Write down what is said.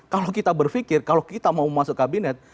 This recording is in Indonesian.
kalau kita berpikir kalau kita mau masuk kabinet